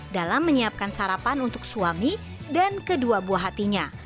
dalam menyiapkan sarapan untuk suami dan kedua buah hatinya